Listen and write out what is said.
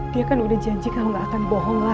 dia kan udah janji kalau gak akan bohong lagi ke aku